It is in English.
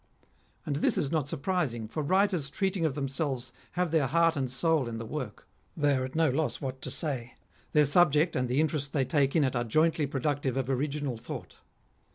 And this is not surprising; for writers treating of themselves have their heart and soul in the work. They are at no loss what to say ; their subject and the interest they take in it are jointly productive of original thought.